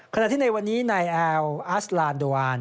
ขณะที่ในวันนี้นายแอลอัสลานโดวาน